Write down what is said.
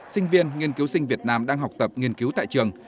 sinh viên nghiên cứu sinh việt nam đang học tập nghiên cứu tại trường